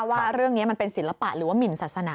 ว่าเรื่องนี้มันเป็นศิลปะหรือว่าหมินศาสนา